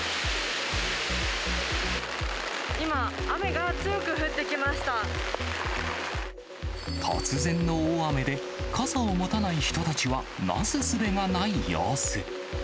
今、突然の大雨で、傘を持たない人たちはなすすべがない様子。